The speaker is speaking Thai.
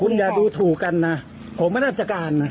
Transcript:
คุณอย่าดูถูกกันนะผมไม่ราชการนะ